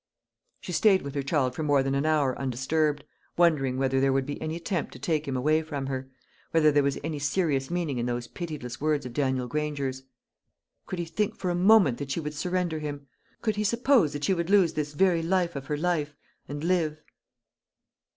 She stayed with her child for more than an hour undisturbed, wondering whether there would be any attempt to take him away from her whether there was any serious meaning in those pitiless words of Daniel Granger's. Could he think for a moment that she would surrender him? Could he suppose that she would lose this very life of her life, and live?